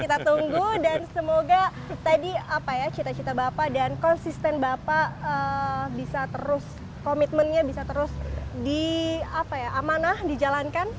kita tunggu dan semoga tadi apa ya cita cita bapak dan konsisten bapak bisa terus komitmennya bisa terus dia amanah dijalankan